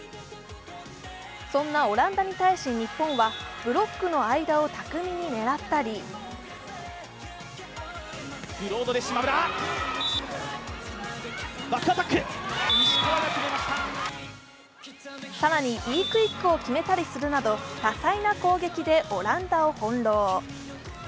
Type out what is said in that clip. そんなオランダに対し日本はブロックの間を巧みに狙ったり更にＢクイックを決めたりするなど多彩な攻撃でオランダをほんろう。